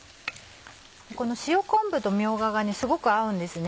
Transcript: この塩昆布とみょうががすごく合うんですね。